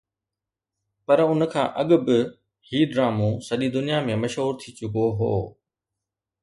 پر ان کان اڳ به هي ڊرامو سڄي دنيا ۾ مشهور ٿي چڪو هو